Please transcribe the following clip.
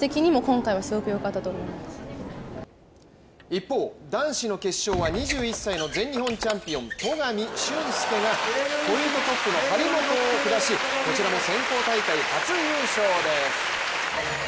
一方、男子の決勝は２１歳の全日本チャンピオン戸上隼輔がポイントトップの張本を下しこちらも選考大会初優勝です。